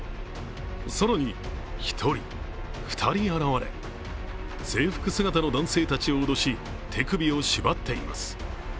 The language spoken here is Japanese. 更に１人、２人現れ、制服姿の男性たちを脅し、手首を縛っています。